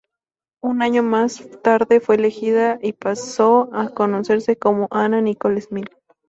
Un año más tarde fue elegida y pasó a conocerse como Anna Nicole Smith.